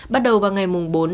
bắt đầu vào ngày bốn bốn